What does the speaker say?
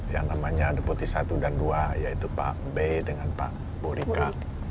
yang namanya deputi satu dan dua yaitu pak b dengan pak borika